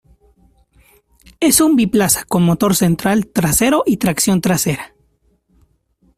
Es un biplaza, con motor central trasero y tracción trasera.